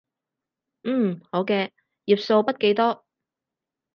嗯，好嘅，頁數筆記多